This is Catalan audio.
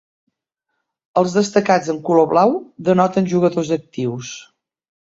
Els destacats en color blau denoten jugadors actius.